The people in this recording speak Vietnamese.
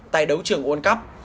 tại đấu trường world cup